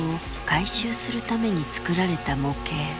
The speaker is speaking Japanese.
改修するために作られた模型。